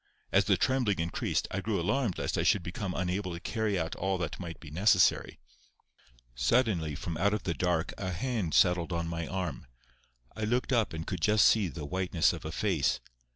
As the trembling increased, I grew alarmed lest I should become unable to carry out all that might be necessary. Suddenly from out of the dark a hand settled on my arm. I looked up and could just see the whiteness of a face.